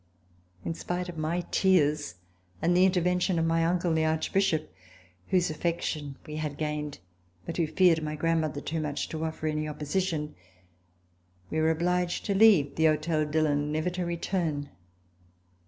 In spite of my tears and the intervention of my uncle, the Archbishop, whose afi^ection we had gained, but who feared my grandmother too much to ofi^er any opposition, we were obliged to leave the Hotel Dillon never to return.